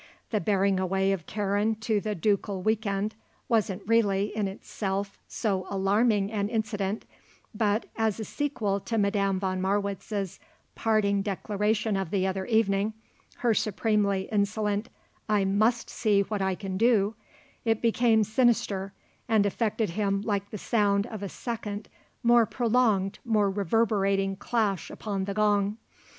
The bearing away of Karen to the ducal week end wasn't really, in itself, so alarming an incident; but, as a sequel to Madame von Marwitz's parting declaration of the other evening, her supremely insolent, "I must see what I can do," it became sinister and affected him like the sound of a second, more prolonged, more reverberating clash upon the gong.